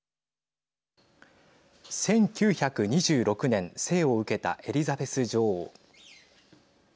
１９２６年生を受けた、エリザベス女王。